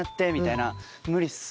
無理っす。